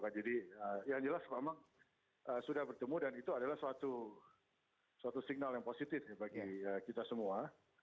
jadi yang jelas memang sudah bertemu dan itu adalah suatu signal yang positif bagi kita semua